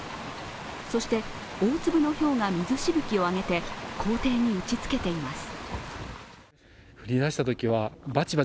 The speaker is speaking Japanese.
そして大粒のひょうが水しぶきをあげて校庭に打ちつけています。